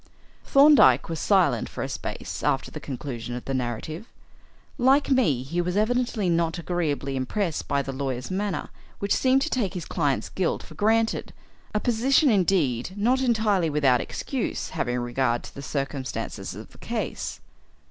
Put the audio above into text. Thorndyke was silent for a space after the conclusion of the narrative. Like me, he was evidently not agreeably impressed by the lawyer's manner, which seemed to take his client's guilt for granted, a position indeed not entirely without excuse having regard to the circumstances of the case.